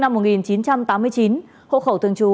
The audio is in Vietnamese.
năm một nghìn chín trăm tám mươi chín hộ khẩu thường trú